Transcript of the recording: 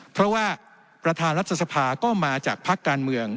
เพราะว่าประธานรัฐสภาก็มาจากพักการเมือง